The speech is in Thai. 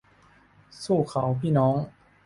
สู้เขาพี่น้อง